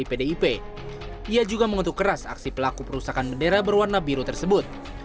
ia juga mengutuk keras aksi pelaku perusahaan bendera berwarna biru tersebut